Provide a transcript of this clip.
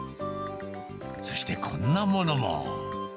そして、こんなものも。